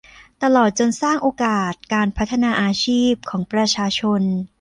ตลอดจนสร้างโอกาสการพัฒนาอาชีพของประชาชน